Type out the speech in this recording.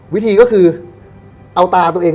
วิธีก็คือเอาตาตัวเอง